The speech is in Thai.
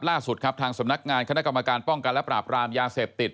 ล่าสุดครับทางสำนักงานคณะกรรมการป้องกันและปราบรามยาเสพติด